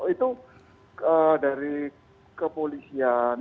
itu dari kepolisian